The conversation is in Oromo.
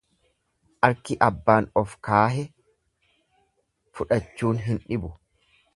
Arki abbaan of kaahe fudhachuun hin dhibu.